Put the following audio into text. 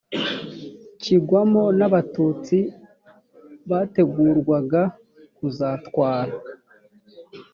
kigwagamo n’abatutsi bategurwaga kuzatwara